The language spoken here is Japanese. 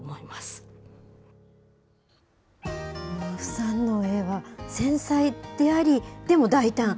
傅さんの絵は繊細であり、でも大胆。